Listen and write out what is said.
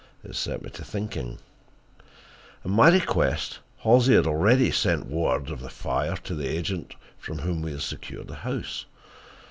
It set me to thinking. At my request Halsey had already sent word of the fire to the agent from whom we had secured the house.